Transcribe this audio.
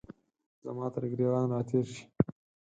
زما ترګریوان را تیر شي